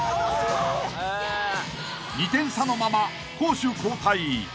［２点差のまま攻守交代］